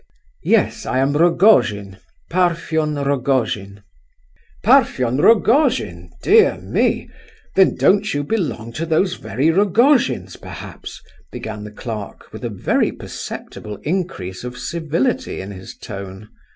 "Yes, I am Rogojin, Parfen Rogojin." "Parfen Rogojin? dear me—then don't you belong to those very Rogojins, perhaps—" began the clerk, with a very perceptible increase of civility in his tone.